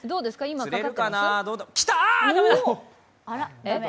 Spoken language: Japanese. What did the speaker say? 釣れるかな、きた！